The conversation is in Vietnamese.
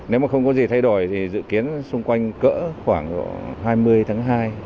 nếu mà không có gì thay đổi thì dự kiến xung quanh cỡ khoảng hai mươi tháng hai